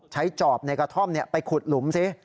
ใช้จอบในกระท่อมเนี่ยไปขุดหลุมซิ